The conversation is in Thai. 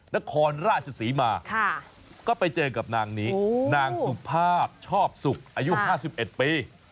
นครราชศรีมาก็ไปเจอกับนางนี้นางสุภาพชอบสุขอายุ๕๑ปี